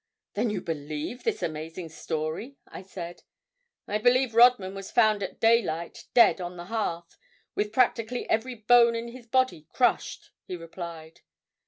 "Then you believe this amazing story?" I said. "I believe Rodman was found at daylight dead on the hearth, with practically every bone in his body crushed," he replied.